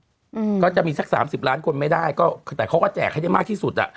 อืมก็จะมีสักสามสิบล้านคนไม่ได้ก็แต่เขาก็แจกให้ได้มากที่สุดอ่ะ